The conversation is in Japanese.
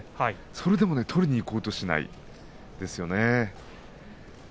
それでも取りにいこうとしないですよね。